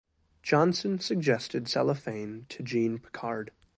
Johnson suggested cellophane to Jean Piccard.